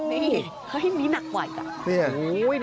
นี่นี่หนักกว่าอีกแล้ว